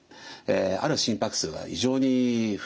ある心拍数が異常に増えてしまう。